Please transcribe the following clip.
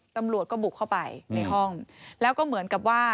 ตำรวจก็บุกเข้าไปในห้องแล้วก็เหมือนกับว่า